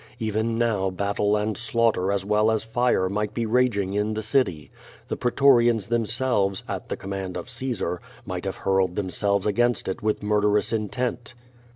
Even now battle and slaughter as well as fire might be raging in the city. The pretorians themselves, at the command of Caesar might have hurle<l themselves against it with murderous intent.